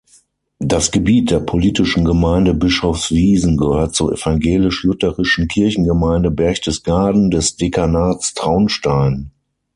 Das Gebiet der politischen Gemeinde Bischofswiesen gehört zur "Evangelisch-Lutherischen Kirchengemeinde Berchtesgaden" des Dekanats Traunstein.